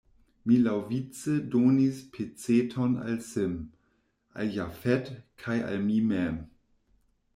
Mi laŭvice donis peceton al Sim, al Jafet kaj al mi mem.